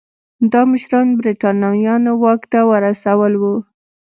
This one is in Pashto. دا مشران برېټانویانو واک ته ورسول وو.